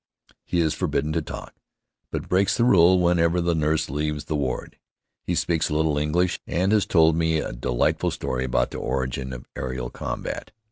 He is forbidden to talk, but breaks the rule whenever the nurse leaves the ward. He speaks a little English and has told me a delightful story about the origin of aerial combat.